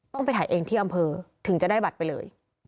ไปถ่ายเองที่อำเภอถึงจะได้บัตรไปเลย